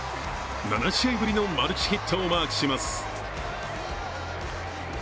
７試合ぶりのマルチヒットをマークします。